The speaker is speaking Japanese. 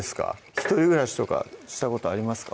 一人暮らしとかしたことありますか？